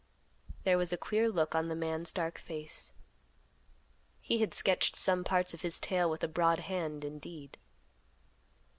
There was a queer look on the man's dark face. He had sketched some parts of his tale with a broad hand, indeed.